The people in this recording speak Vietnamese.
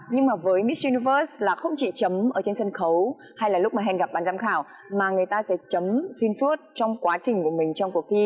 nhưng mà với miss universe là không chỉ chấm ở trên sân khấu hay là lúc mà hèn gặp ban giám khảo mà người ta sẽ chấm xuyên suốt trong quá trình của mình trong cuộc thi